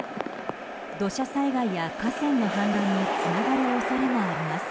土砂災害や河川の氾濫につながる恐れがあります。